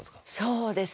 そうですね。